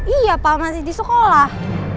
iya pak masih di sekolah